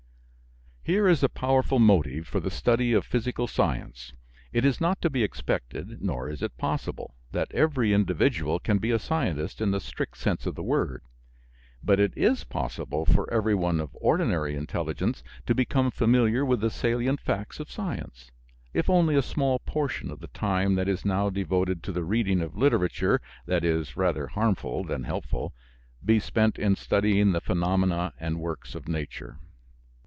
Here is a powerful motive for the study of physical science. It is not to be expected, nor is it possible, that every individual can be a scientist in the strict sense of the word, but it is possible for everyone of ordinary intelligence to become familiar with the salient facts of science, if only a small portion of the time that is now devoted to the reading of literature that is rather harmful than helpful be spent in studying the phenomena and works of nature.